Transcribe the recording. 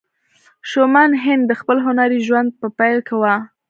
شومان هينک د خپل هنري ژوند په پيل کې وه.